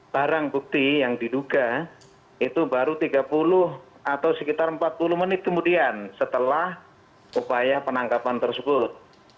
barang bukti yang diduga itu baru tiga puluh atau sekitar empat puluh menit kemudian setelah upaya penangkapan tersebut